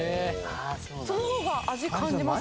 「その方が味感じます？」